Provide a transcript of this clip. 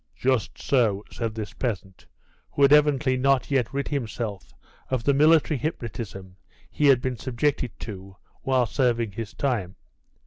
"Just so," said this peasant, who had evidently not yet rid himself of the military hypnotism he had been subjected to while serving his time.